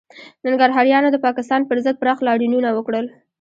ننګرهاریانو د پاکستان پر ضد پراخ لاریونونه وکړل